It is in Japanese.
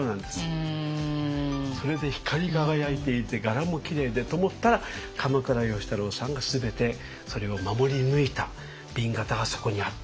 それで光り輝いていて柄もきれいでと思ったら鎌倉芳太郎さんが全てそれを守り抜いた紅型がそこにあった。